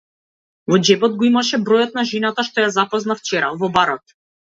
Во џебот го имаше бројот на жената што ја запозна вчера, во барот.